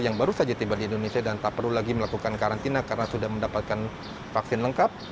yang baru saja tiba di indonesia dan tak perlu lagi melakukan karantina karena sudah mendapatkan vaksin lengkap